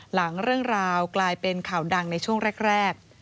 หลังเรื่องราวกลายเป็นข่าวดังในช่วงแรก